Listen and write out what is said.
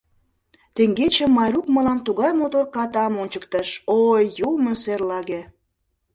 Теҥгече Майрук мылам тугай мотор катам ончыктыш — ой, юмо серлаге!